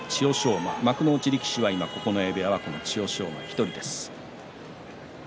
馬、幕内力士は今九重部屋は千代翔馬１人です。